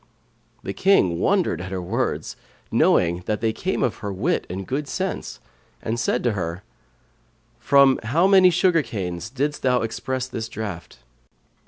The Just King wondered at her words, knowing that they came of her wit and good sense, and said to her, "From how many sugar canes didst thou express this draught?"